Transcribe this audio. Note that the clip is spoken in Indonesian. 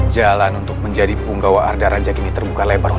jangan lupa like share dan subscribe